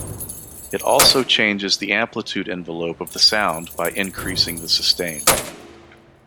It also changes the amplitude envelope of the sound by increasing the sustain.